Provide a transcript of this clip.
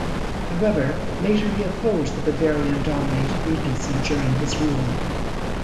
However, later he opposed the Bavarian-dominated regency during his rule.